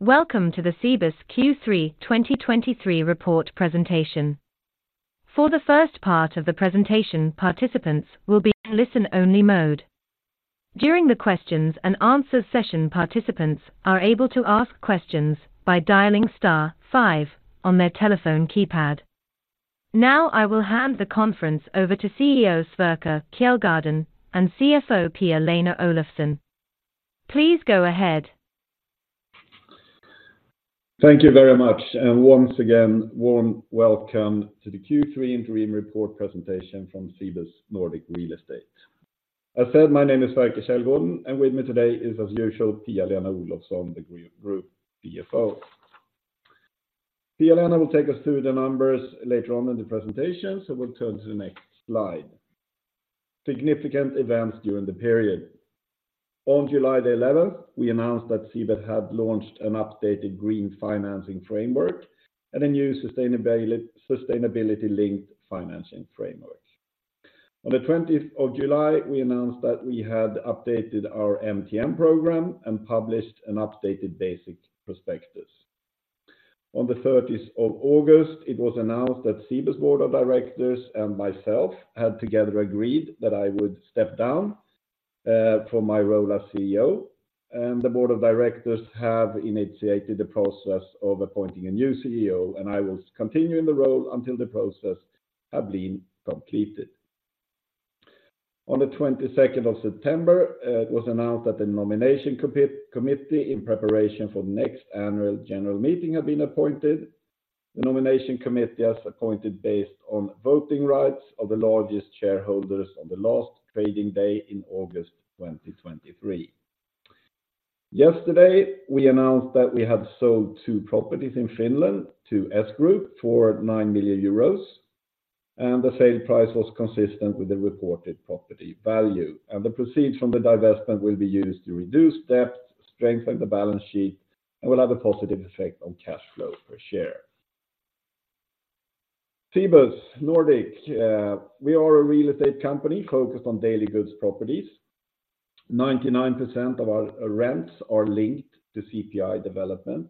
Welcome to the Cibus Q3 2023 report presentation. For the first part of the presentation, participants will be in listen-only mode. During the questions and answers session, participants are able to ask questions by dialing star five on their telephone keypad. Now, I will hand the conference over to CEO Sverker Källgården and CFO Pia-Lena Olofsson. Please go ahead. Thank you very much, and once again, warm welcome to the Q3 interim report presentation from Cibus Nordic Real Estate. My name is Sverker Källgården, and with me today is, as usual, Pia-Lena Olofsson, the Group CFO. Pia-Lena will take us through the numbers later on in the presentation, so we'll turn to the next slide. Significant events during the period. On July the 11th, we announced that Cibus had launched an updated Green Financing Framework and a new Sustainability-Linked Financing Framework. On the 20th of July, we announced that we had updated our MTN Program and published an updated Basic Prospectus. On the thirtieth of August, it was announced that Cibus Board of Directors and myself had together agreed that I would step down from my role as CEO, and the Board of Directors have initiated the process of appointing a new CEO, and I will continue in the role until the process have been completed. On the 22nd of September, it was announced that the nomination committee in preparation for the next annual general meeting had been appointed. The nomination committee as appointed, based on voting rights of the largest shareholders on the last trading day in August 2023. Yesterday, we announced that we had sold two properties in Finland to S Group for 9 million euros, and the sale price was consistent with the reported property value. The proceeds from the divestment will be used to reduce debt, strengthen the balance sheet, and will have a positive effect on cash flow per share. Cibus Nordic, we are a real estate company focused on daily goods properties. 99% of our rents are linked to CPI development,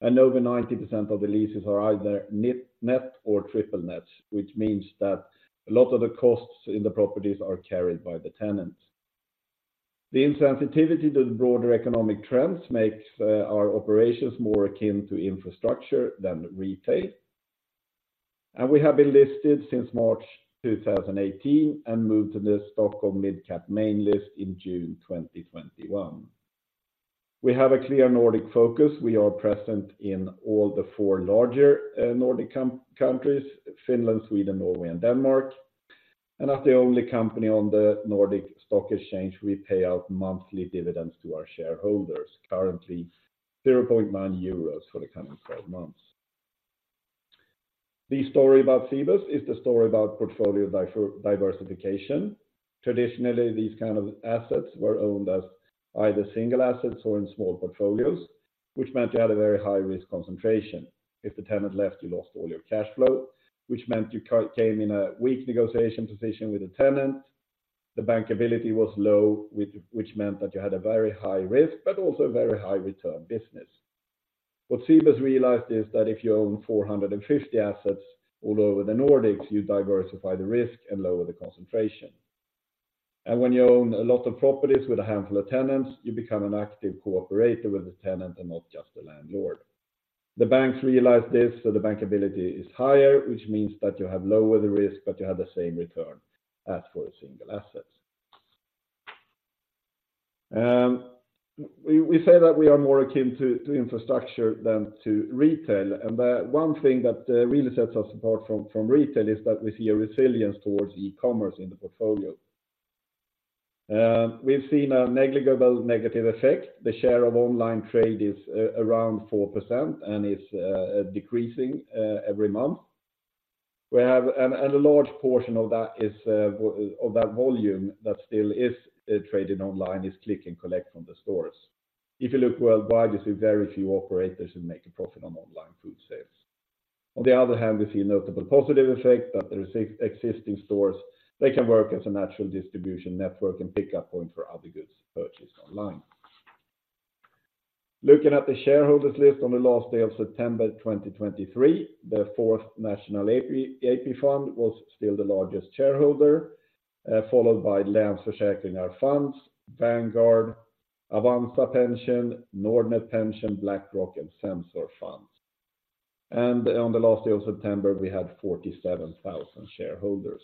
and over 90% of the leases are either net net or triple net, which means that a lot of the costs in the properties are carried by the tenants. The insensitivity to the broader economic trends makes our operations more akin to infrastructure than retail. We have been listed since March 2018 and moved to the Stockholm mid-cap main list in June 2021. We have a clear Nordic focus. We are present in all four larger Nordic countries, Finland, Sweden, Norway, and Denmark. As the only company on the Nordic Stock Exchange, we pay out monthly dividends to our shareholders, currently 0.9 euros for the coming 12 months. The story about Cibus is the story about portfolio diversification. Traditionally, these kind of assets were owned as either single assets or in small portfolios, which meant you had a very high-risk concentration. If the tenant left, you lost all your cash flow, which meant you came in a weak negotiation position with the tenant. The bankability was low, which meant that you had a very high risk, but also a very high return business. What Cibus realized is that if you own 450 assets all over the Nordics, you diversify the risk and lower the concentration. When you own a lot of properties with a handful of tenants, you become an active cooperator with the tenant and not just the landlord. The banks realized this, so the bankability is higher, which means that you have lower the risk, but you have the same return as for a single asset. We say that we are more akin to infrastructure than to retail, and the one thing that really sets us apart from retail is that we see a resilience towards e-commerce in the portfolio. We've seen a negligible negative effect. The share of online trade is around 4% and is decreasing every month. And a large portion of that is of that volume that still is traded online, is click and collect from the stores. If you look worldwide, you see very few operators who make a profit on online food sales. On the other hand, we see a notable positive effect, that the existing stores, they can work as a natural distribution network and pickup point for other goods purchased online. Looking at the shareholders list on the last day of September 2023, Fjärde AP-fonden was still the largest shareholder, followed by Länsförsäkringar Fonder, Vanguard, Avanza Pension, Nordnet Pension, BlackRock, and Sensor Fonder. And on the last day of September, we had 47,000 shareholders.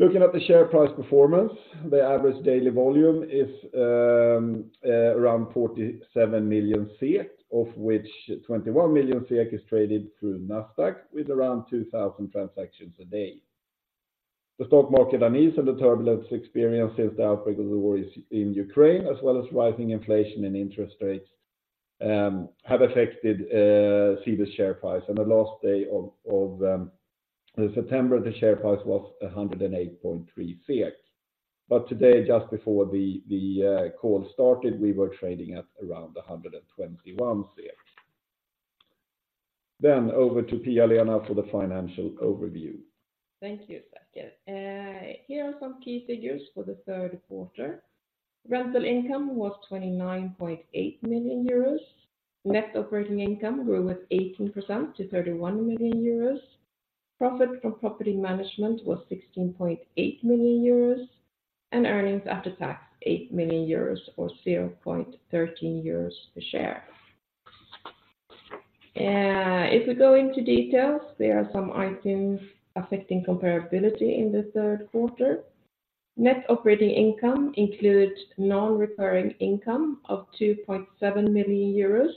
Looking at the share price performance, the average daily volume is around 47 million SEK, of which 21 million SEK is traded through Nasdaq with around 2,000 transactions a day. The stock market unease and the turbulence experienced since the outbreak of the war in Ukraine, as well as rising inflation and interest rates, have affected Cibus share price. On the last day of September, the share price was 108.3. But today, just before the call started, we were trading at around 121. Then over to Pia-Lena for the financial overview. Thank you, Sakke. Here are some key figures for the third quarter. Rental income was 29.8 million euros. Net operating income grew with 18% to 31 million euros. Profit from property management was 16.8 million euros, and earnings after tax, 8 million euros, or 0.13 euros per share. If we go into details, there are some items affecting comparability in the third quarter. Net operating income includes non-recurring income of 2.7 million euros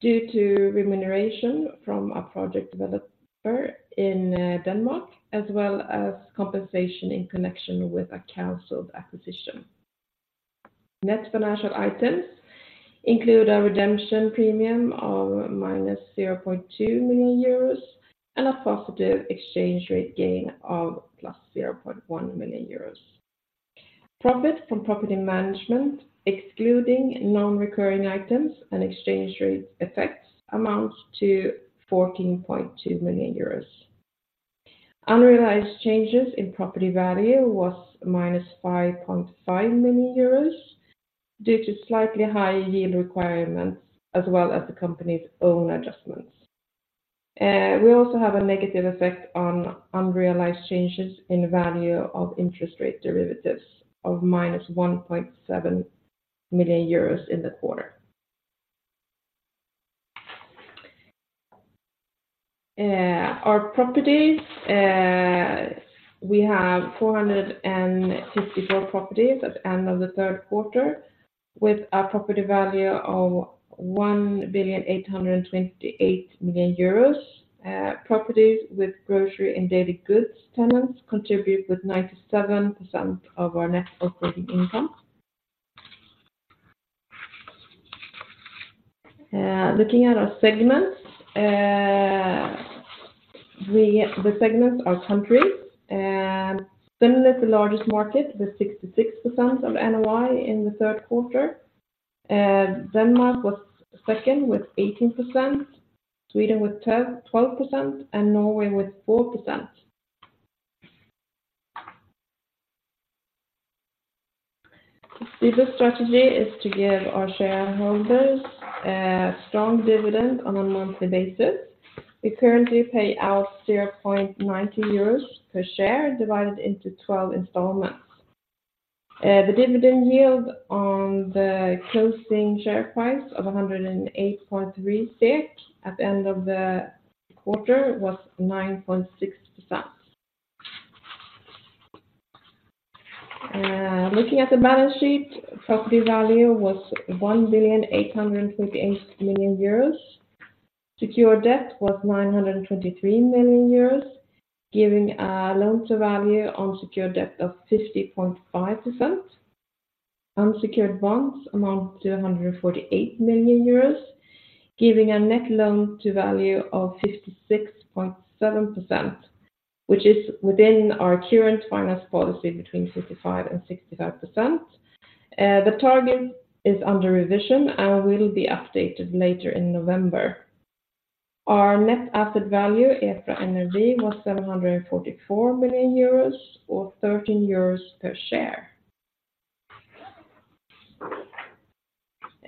due to remuneration from a project developer in, Denmark, as well as compensation in connection with a canceled acquisition. Net financial items include a redemption premium of -0.2 million euros and a positive exchange rate gain of +0.1 million euros. Profit from property management, excluding non-recurring items and exchange rate effects, amounts to 14.2 million euros. Unrealized changes in property value was minus 5.5 million euros, due to slightly higher yield requirements, as well as the company's own adjustments. We also have a negative effect on unrealized changes in the value of interest rate derivatives of minus 1.7 million euros in the quarter. Our properties, we have 454 properties at the end of the third quarter, with a property value of 1,828 million euros. Properties with grocery and daily goods tenants contribute with 97% of our net operating income. Looking at our segments, the segments are countries, and Finland is the largest market, with 66% of NOI in the third quarter, Denmark was second with 18%, Sweden with 12%, and Norway with 4%. Cibus' strategy is to give our shareholders a strong dividend on a monthly basis. We currently pay out 0.90 euros per share, divided into 12 installments. The dividend yield on the closing share price of 108.3 at the end of the quarter was 9.6%. Looking at the balance sheet, property value was 1,828 million euros. Secured debt was 923 million euros, giving a loan-to-value on secured debt of 50.5%. Unsecured bonds amount to 148 million euros, giving a net loan-to-value of 56.7%, which is within our current finance policy between 55%-65%. The target is under revision and will be updated later in November. Our net asset value, EPRA NAV, was 744 million euros, or 13 euros per share.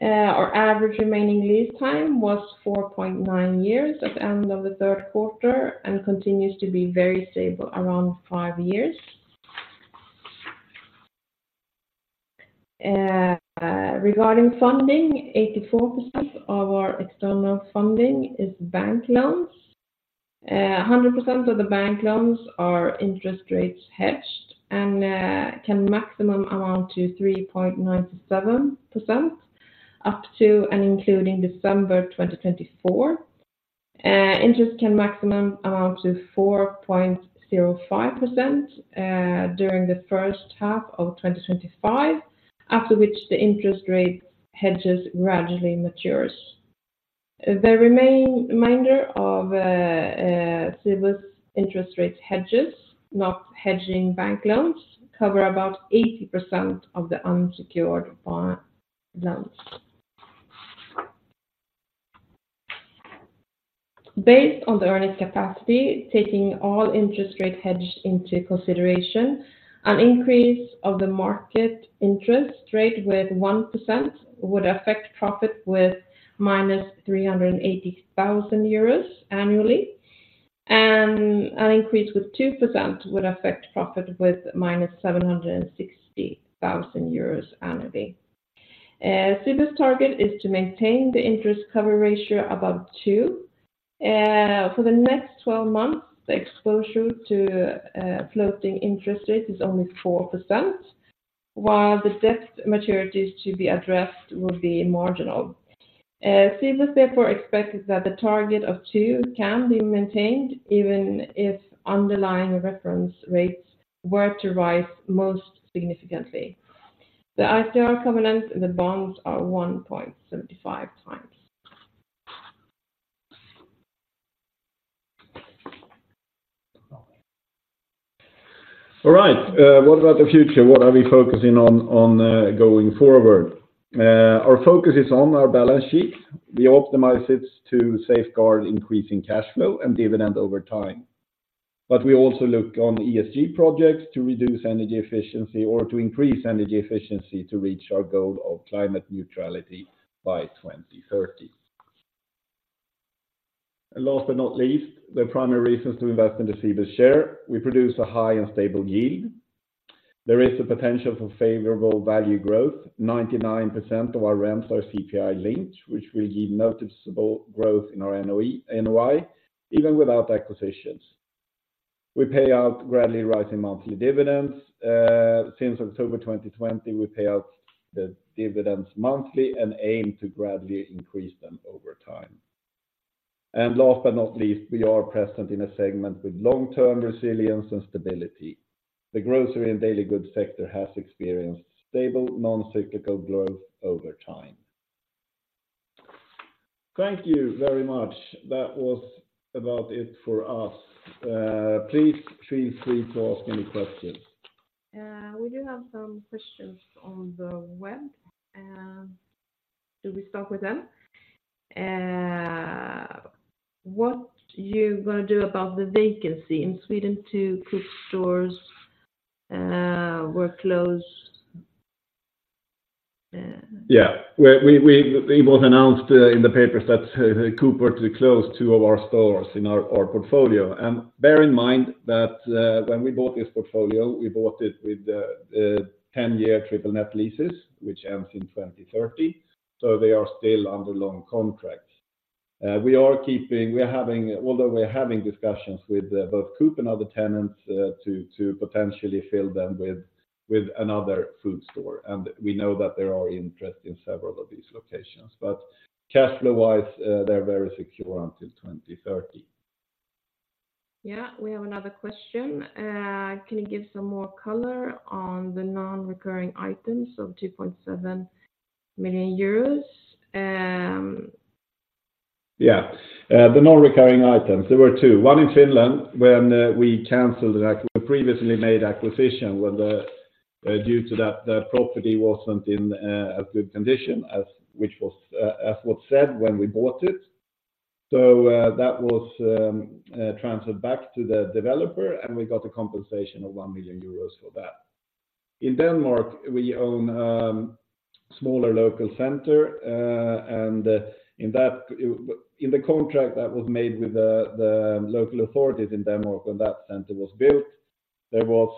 Our average remaining lease time was 4.9 years at the end of the third quarter and continues to be very stable around five years. Regarding funding, 84% of our external funding is bank loans. A 100% of the bank loans are interest rates hedged and can maximum amount to 3.97%, up to and including December 2024. Interest can maximum amount to 4.05% during the first half of 2025, after which the interest rate hedges gradually matures. The remainder of Cibus interest rate hedges, not hedging bank loans, cover about 80% of the unsecured bond loans. Based on the earnings capacity, taking all interest rate hedges into consideration, an increase of the market interest rate with 1% would affect profit with -380,000 euros annually, and an increase with 2% would affect profit with -760,000 euros annually. Cibus target is to maintain the interest cover ratio above 2. For the next 12 months, the exposure to floating interest rates is only 4%, while the debt maturities to be addressed will be marginal. Cibus, therefore, expects that the target of 2 can be maintained even if underlying reference rates were to rise most significantly. The ICR covenant and the bonds are 1.75x. All right, what about the future? What are we focusing on going forward? Our focus is on our balance sheet. We optimize it to safeguard increasing cash flow and dividend over time, but we also look on ESG projects to reduce energy efficiency or to increase energy efficiency to reach our goal of climate neutrality by 2030. And last but not least, the primary reasons to invest in the Cibus share: we produce a high and stable yield. There is the potential for favorable value growth. 99% of our rents are CPI linked, which will yield noticeable growth in our NOI, even without acquisitions. We pay out gradually rising monthly dividends. Since October 2020, we pay out the dividends monthly and aim to gradually increase them over time. Last but not least, we are present in a segment with long-term resilience and stability. The grocery and daily goods sector has experienced stable, non-cyclical growth over time. Thank you very much. That was about it for us. Please feel free to ask any questions. We do have some questions on the web. Do we start with them? What you going to do about the vacancy in Sweden two Coop stores were closed. Yeah, it was announced in the papers that Coop were to close two of our stores in our portfolio. And bear in mind that when we bought this portfolio, we bought it with 10-year triple net leases, which ends in 2030, so they are still under long contracts. Although we are having discussions with both Coop and other tenants to potentially fill them with another food store, and we know that there are interest in several of these locations, but cash flow-wise, they're very secure until 2030. Yeah. We have another question. Can you give some more color on the non-recurring items of 2.7 million euros? Yeah. The non-recurring items, there were two. One in Finland, when we canceled a previously made acquisition, when the, due to that, the property wasn't in a good condition, as was said when we bought it. So, that was transferred back to the developer, and we got a compensation of 1 million euros for that. In Denmark, we own smaller local center, and in that, in the contract that was made with the local authorities in Denmark, when that center was built, there was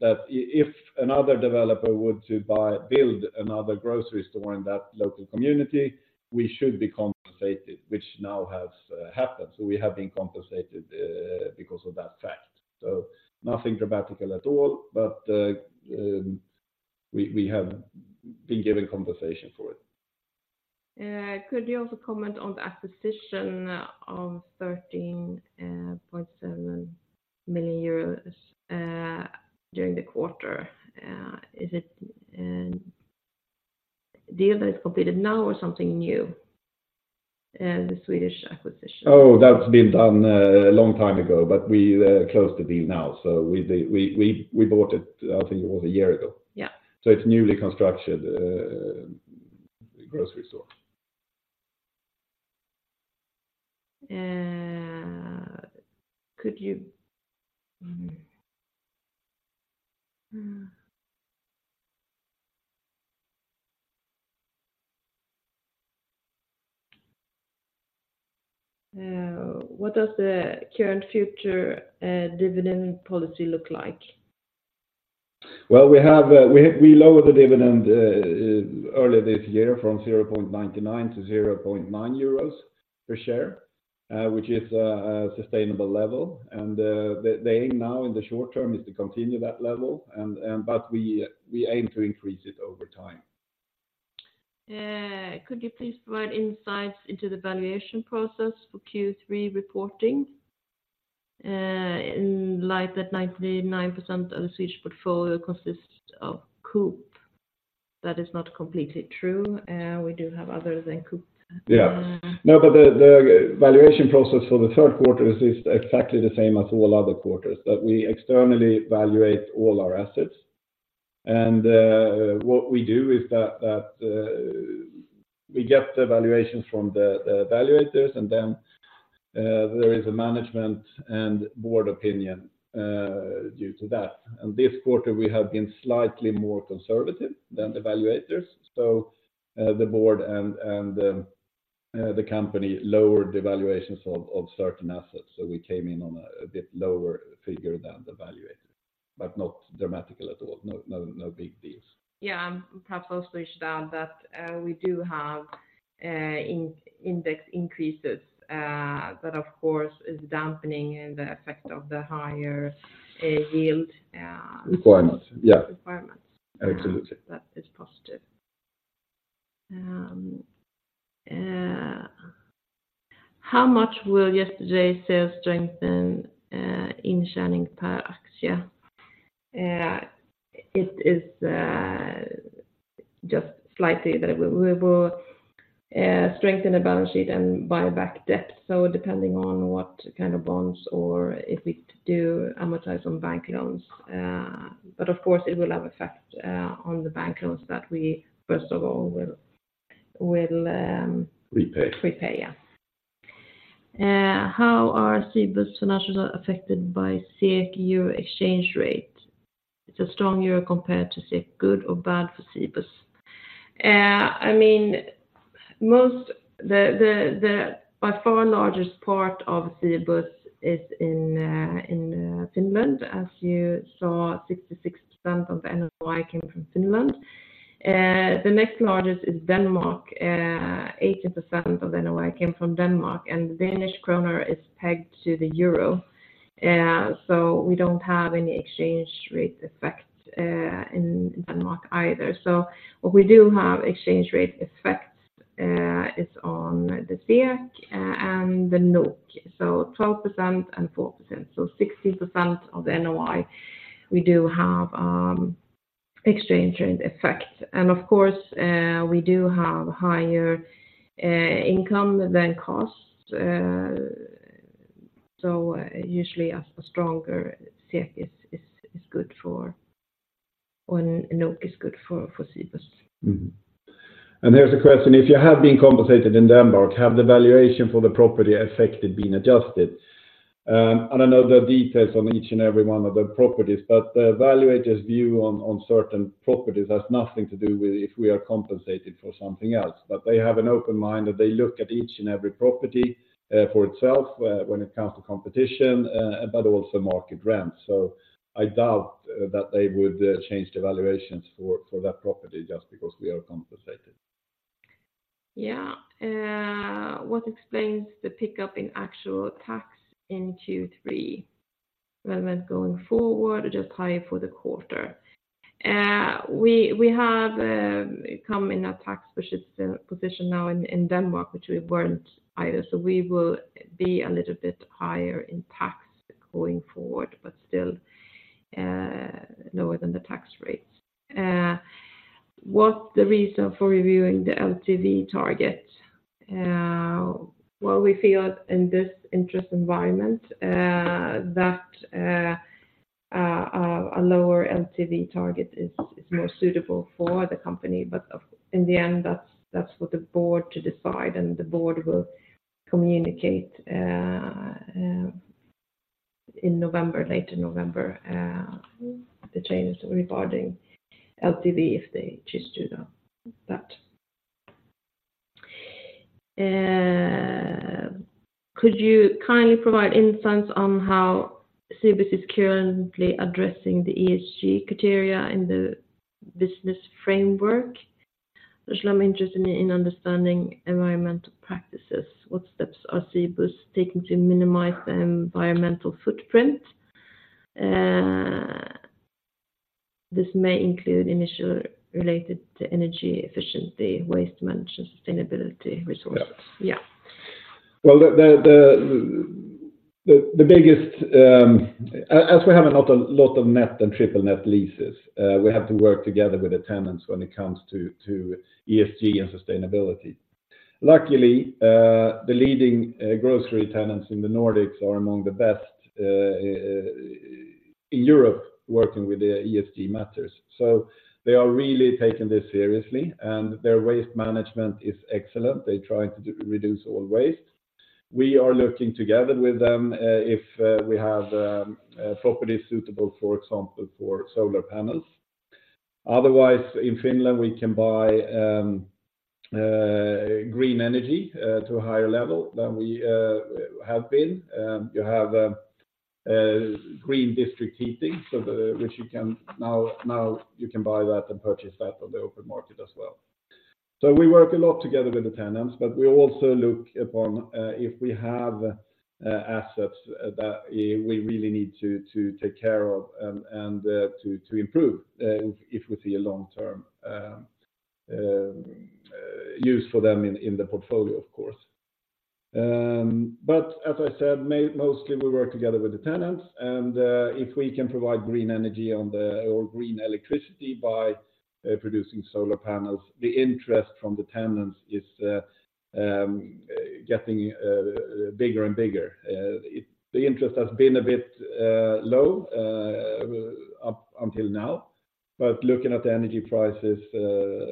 that if another developer were to build another grocery store in that local community, we should be compensated, which now has happened. So we have been compensated because of that fact. So nothing dramatical at all, but we have been given compensation for it. Could you also comment on the acquisition of 13.7 million euros during the quarter? Is it deal that is completed now or something new, the Swedish acquisition? Oh, that's been done a long time ago, but we closed the deal now. So we bought it, I think it was a year ago. Yeah. It's newly constructed grocery store. Could you, what does the current future dividend policy look like? Well, we have lowered the dividend earlier this year from 0.99 to 0.9 euros per share, which is a sustainable level. The aim now in the short term is to continue that level, but we aim to increase it over time. Could you please provide insights into the valuation process for Q3 reporting, in light that 99% of the Swedish portfolio consists of Coop? That is not completely true, we do have other than Coop. Yeah. No, but the valuation process for the third quarter is exactly the same as all other quarters, that we externally evaluate all our assets. And what we do is that we get the valuations from the evaluators, and then there is a management and Board opinion due to that. And this quarter, we have been slightly more conservative than the evaluators. So, the Board and the company lowered the valuations of certain assets, so we came in on a bit lower figure than the valuator, but not dramatic at all. No, no, no big deals. Yeah, I'm perhaps also wish that we do have index increases that, of course, is dampening the effect of the higher yield. Requirements, yeah. Requirements. Absolutely. That is positive. How much will yesterday's sales strengthen in earnings per share? It is just slightly that we will strengthen the balance sheet and buy back debt. So depending on what kind of bonds or if we do amortize on bank loans, but of course, it will have effect on the bank loans that we, first of all, will. Repay. Repay, yeah. How are Cibus financials affected by SEK, euro exchange rate? It's a strong euro compared to SEK, good or bad for Cibus? I mean, most the, the, the by far largest part of Cibus is in, in, in Finland, as you saw, 66% of the NOI came from Finland. The next largest is Denmark. 80% of NOI came from Denmark, and Danish kroner is pegged to the euro. So we don't have any exchange rate effect in Denmark either. So what we do have exchange rate effects is on the SEK and the NOK. So 12% and 4%, so 16% of the NOI, we do have exchange rate effect. And of course, we do have higher income than costs. So usually, a stronger SEK is good for, or NOK is good for, Cibus. Mm-hmm. Here's a question: If you have been compensated in Denmark, have the valuation for the property affected been adjusted? I don't know the details on each and every one of the properties, but the valuator's view on certain properties has nothing to do with if we are compensated for something else. But they have an open mind, that they look at each and every property for itself when it comes to competition, but also market rent. So I doubt that they would change the valuations for that property just because we are compensated. Yeah. What explains the pickup in actual tax in Q3, whether going forward or just high for the quarter? We have come in a tax position now in Denmark, which we weren't either. So we will be a little bit higher in tax going forward, but still lower than the tax rates. What's the reason for reviewing the LTV target? Well, we feel in this interest environment that a lower LTV target is more suitable for the company, but in the end, that's for the Board to decide, and the Board will communicate in November, late in November, the changes regarding LTV, if they choose to do that. Could you kindly provide insights on how Cibus is currently addressing the ESG criteria in the business framework? Especially, I'm interested in understanding environmental practices. What steps are Cibus taking to minimize the environmental footprint? This may include initiative related to energy efficiency, waste management, sustainability resources. Yeah. Yeah. Well, as we have a lot of net and triple net leases, we have to work together with the tenants when it comes to ESG and sustainability. Luckily, the leading grocery tenants in the Nordics are among the best in Europe, working with the ESG matters. So they are really taking this seriously, and their waste management is excellent. They try to reduce all waste. We are looking together with them if we have properties suitable, for example, for solar panels. Otherwise, in Finland, we can buy green energy to a higher level than we have been. You have green district heating, so which you can now buy that and purchase that on the open market as well. So we work a lot together with the tenants, but we also look upon if we have assets that we really need to take care of and to improve if we see a long-term use for them in the portfolio, of course. But as I said, mostly, we work together with the tenants, and if we can provide green energy or green electricity by producing solar panels, the interest from the tenants is getting bigger and bigger. The interest has been a bit low up until now, but looking at the energy prices,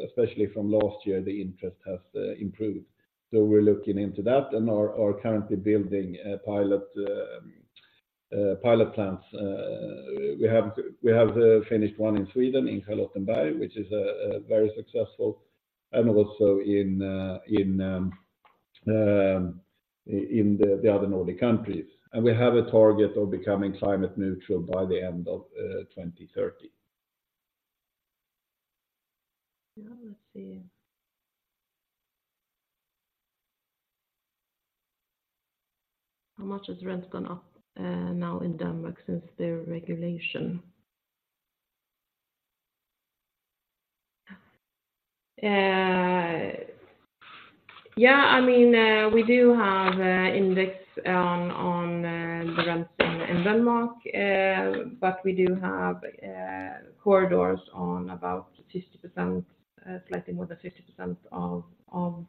especially from last year, the interest has improved. So we're looking into that and are currently building a pilot plant. We have finished one in Sweden, in Charlottenberg, which is very successful, and also in the other Nordic countries. We have a target of becoming climate neutral by the end of 2030. Yeah, let's see. How much has rents gone up now in Denmark since their regulation? Yeah, I mean, we do have index on the rents in Denmark, but we do have corridors on about 50%, slightly more than 50% of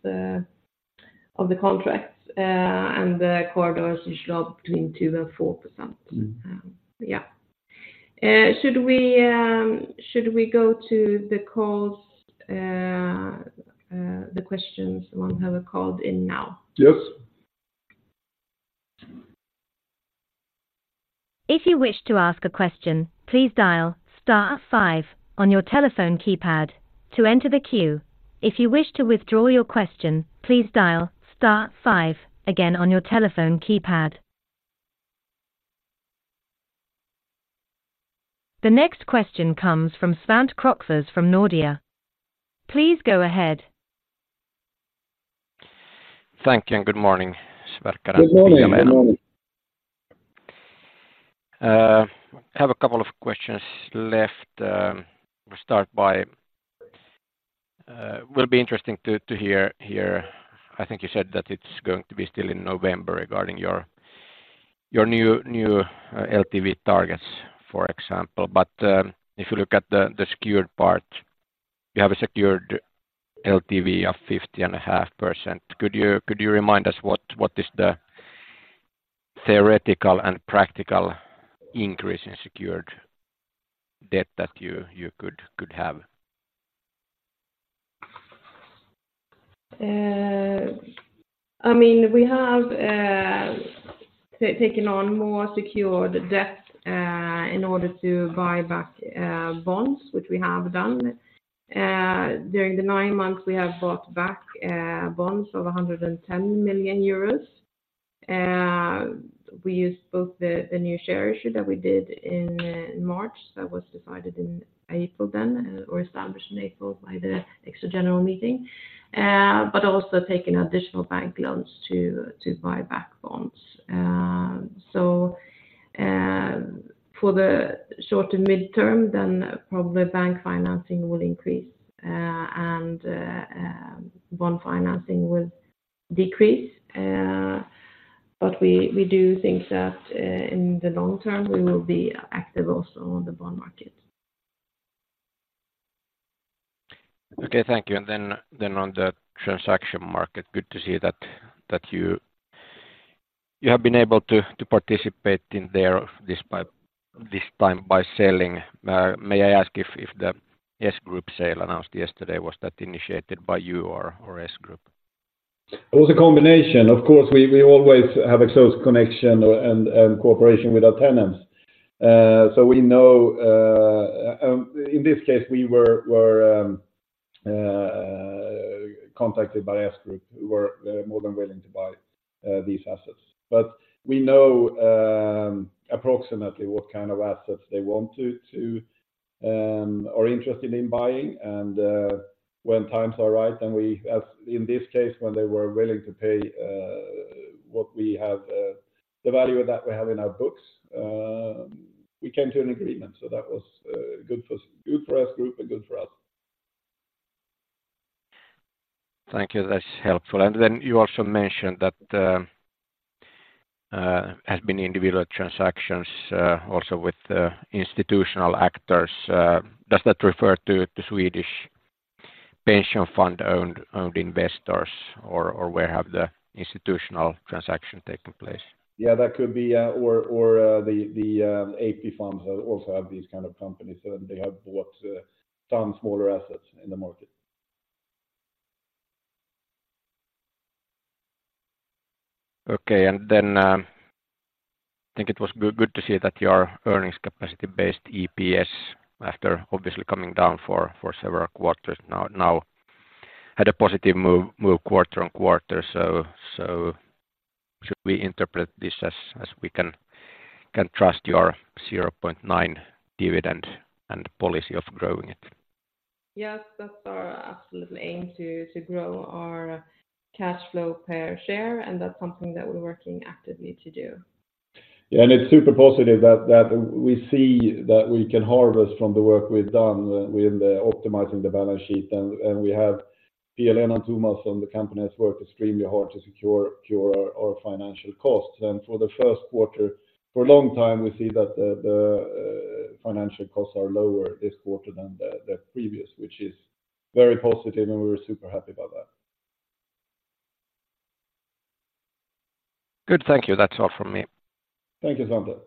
the contracts, and the corridors usually are between 2% and 4%. Yeah. Should we go to the calls, the questions the one that are called in now? Yes. If you wish to ask a question, please dial star five on your telephone keypad to enter the queue. If you wish to withdraw your question, please dial star five again on your telephone keypad. The next question comes from Svante Krokfors from Nordea. Please go ahead. Thank you, and good morning, Sverker and Pia-Lena. Good morning, good morning. I have a couple of questions left. It will be interesting to hear. I think you said that it's going to be still in November regarding your new LTV targets, for example. But if you look at the secured part, you have a secured LTV of 50.5%. Could you remind us what is the theoretical and practical increase in secured debt that you could have? I mean, we have taken on more secured debt in order to buy back bonds, which we have done. During the nine months, we have bought back bonds of 110 million euros. We used both the new share issue that we did in March, that was decided in April then, or established in April by the extra general meeting. But also taking additional bank loans to buy back bonds. So, for the short to mid-term, then probably bank financing will increase, and bond financing will decrease. But we do think that in the long term, we will be active also on the bond market. Okay, thank you. And then on the transaction market, good to see that you have been able to participate in there, despite this time by selling. May I ask if the S Group sale announced yesterday was that initiated by you or S Group? It was a combination. Of course, we always have a close connection and cooperation with our tenants. So we know. In this case, we were contacted by S Group, who were more than willing to buy these assets. But we know approximately what kind of assets they want to are interested in buying, and when times are right, then we, as in this case, when they were willing to pay what we have the value that we have in our books, we came to an agreement, so that was good for S Group and good for us. Thank you. That's helpful. And then you also mentioned that has been individual transactions also with institutional actors. Does that refer to the Swedish pension fund-owned investors, or where have the institutional transaction taken place? Yeah, that could be, or the AP funds also have these kind of companies, and they have bought some smaller assets in the market. Okay. And then, I think it was good to see that your earnings capacity-based EPS, after obviously coming down for several quarters now, had a positive move quarter-on-quarter. So, should we interpret this as we can trust your 0.9 dividend and policy of growing it? Yes, that's our absolute aim to, to grow our cash flow per share, and that's something that we're working actively to do. Yeah, and it's super positive that we see that we can harvest from the work we've done with optimizing the balance sheet, and we have Pia-Lena and Thomas on the Company Network extremely hard to secure our financial costs. And for the first quarter, for a long time, we see that the financial costs are lower this quarter than the previous, which is very positive, and we're super happy about that. Good. Thank you. That's all from me. Thank you, Svante.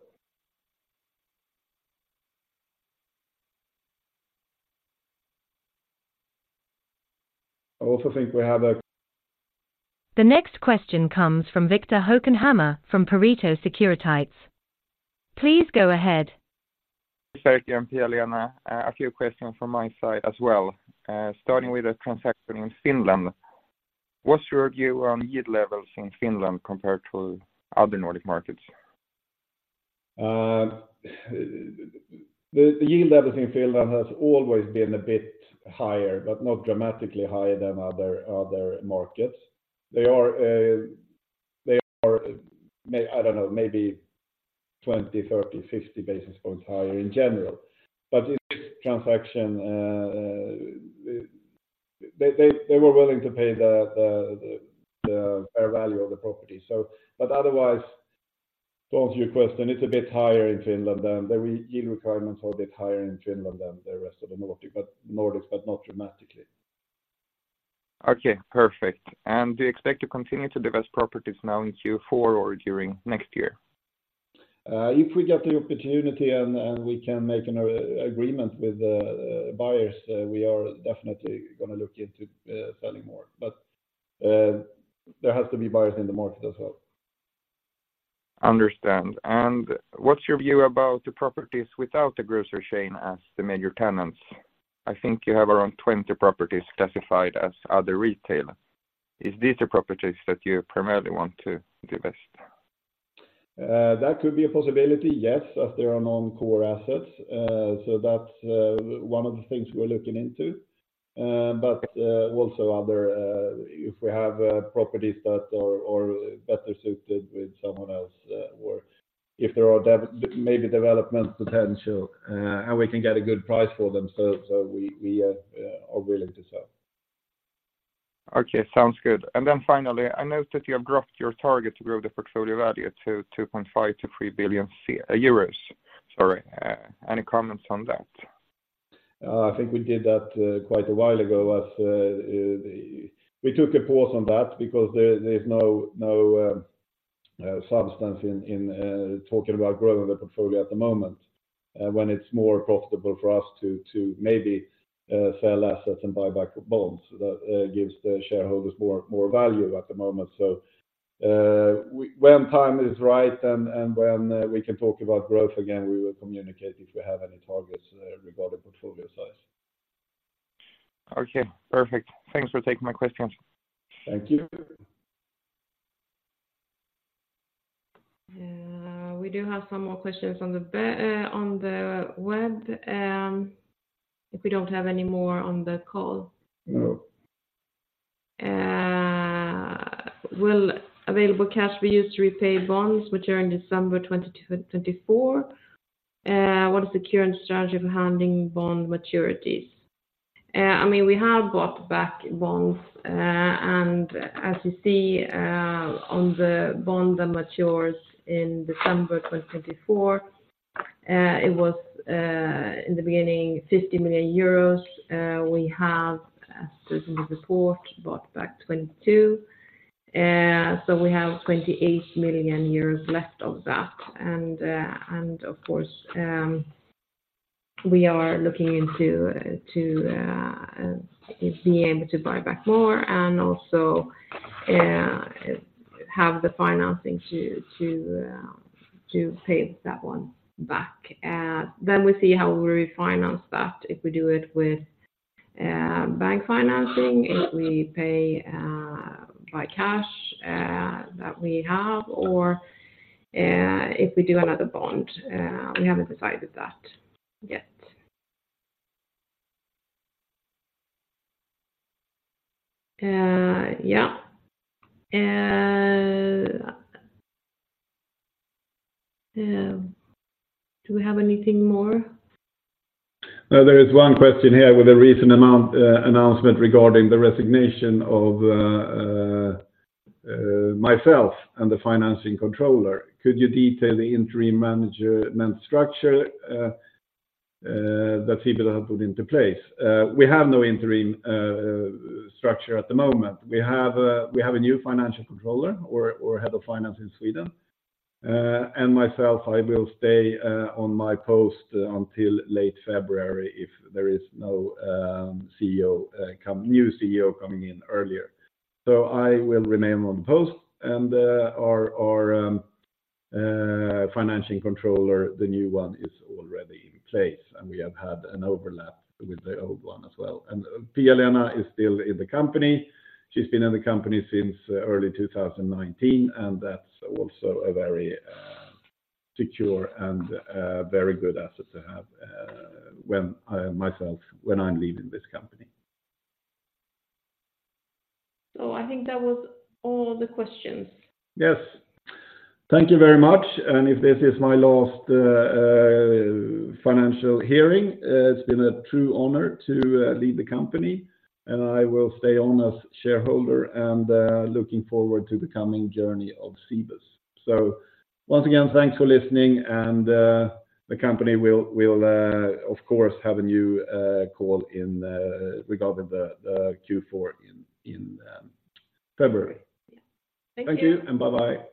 I also think we have a- The next question comes from Victor Krüger from Pareto Securities. Please go ahead. Sverker and Pia-Lena, a few questions from my side as well. Starting with a transaction in Finland. What's your view on yield levels in Finland compared to other Nordic markets? The yield levels in Finland has always been a bit higher, but not dramatically higher than other markets. They are maybe 20, 30, 50 basis points higher in general. But in this transaction, they were willing to pay the fair value of the property. But otherwise, to answer your question, the yield requirements are a bit higher in Finland than the rest of the Nordics, but not dramatically. Okay, perfect. And do you expect to continue to divest properties now in Q4 or during next year? If we get the opportunity and we can make an agreement with the buyers, we are definitely going to look into selling more. But, there has to be buyers in the market as well. Understand. What's your view about the properties without the grocery chain as the major tenants? I think you have around 20 properties classified as other retail. Is these the properties that you primarily want to divest? That could be a possibility, yes, as they are non-core assets. So that's one of the things we're looking into. But also other if we have properties that are better suited with someone else, or if there are maybe development potential, and we can get a good price for them, so we are willing to sell. Okay, sounds good. And then finally, I noticed that you have dropped your target to grow the portfolio value to 2.5 billion-3 billion, euros sorry. Any comments on that? I think we did that quite a while ago, as we took a pause on that because there's no substance in talking about growing the portfolio at the moment, when it's more profitable for us to maybe sell assets and buy back bonds. That gives the shareholders more value at the moment. So, when time is right and when we can talk about growth again, we will communicate if we have any targets regarding portfolio size. Okay, perfect. Thanks for taking my questions. Thank you. We do have some more questions on the web, if we don't have any more on the call. No. Will available cash be used to repay bonds, which are in December 2022, 2024? What is the current strategy for handling bond maturities? I mean, we have bought back bonds, and as you see, on the bond that matures in December 2024, it was, in the beginning, 50 million euros. We have, as in the report, bought back 2022. So we have 28 million left of that. And, and of course, we are looking into to be able to buy back more and also have the financing to, to pay that one back. Then we see how we refinance that, if we do it with bank financing, if we pay by cash that we have, or if we do another bond. We haven't decided that yet. Yeah. Do we have anything more? There is one question here with a recent announcement regarding the resignation of myself and the financial controller. Could you detail the interim management structure that people have put into place? We have no interim structure at the moment. We have a new Financial Controller or Head of Finance in Sweden, and myself, I will stay on my post until late February, if there is no new CEO coming in earlier. So I will remain on the post and our financial controller, the new one is already in place, and we have had an overlap with the old one as well. And Pia-Lena is still in the company. She's been in the company since early 2019, and that's also a very secure and very good asset to have, when myself, when I'm leaving this company. I think that was all the questions. Yes. Thank you very much. And if this is my last financial hearing, it's been a true honor to lead the company, and I will stay on as shareholder and looking forward to the coming journey of Cibus. So once again, thanks for listening, and the company will of course have a new call in regarding the Q4 in February. Yeah. Thank you. Thank you, and bye-bye.